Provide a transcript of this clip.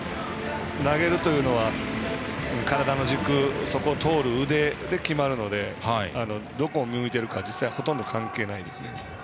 投げるというのは体の軸そしてそこを通る腕で決まるのでどこを見ているかは実際ほとんど関係ないです。